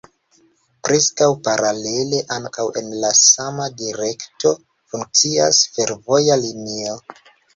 Preskaŭ paralele ankaŭ en la sama direkto funkcias fervoja linio.